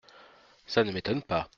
Ça ne m’étonne pas !